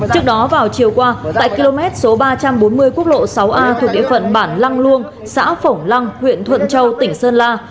trước đó vào chiều qua tại km số ba trăm bốn mươi quốc lộ sáu a thuộc địa phận bản lăng luông xã phổng lăng huyện thuận châu tỉnh sơn la